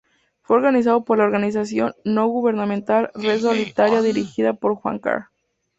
Fue organizado por la organización no gubernamental Red Solidaria dirigida por Juan Carr.